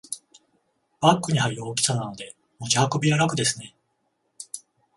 バッグに入る大きさなので持ち運びは楽ですね